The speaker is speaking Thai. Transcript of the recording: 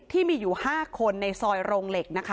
ที่มีอยู่๕คนในซอยโรงเหล็กนะคะ